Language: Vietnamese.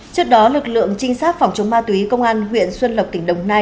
trước đó lực lượng trinh sát phòng chống ma túy công an huyện xuân lộc tỉnh đồng nai